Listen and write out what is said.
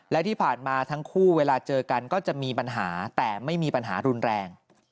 และที่ผ่านมาทั้งคู่เวลาเจอกันก็จะมีปัญหาแต่ไม่มีปัญหารุนแรง